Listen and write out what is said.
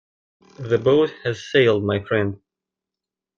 That boat has sailed, my friend.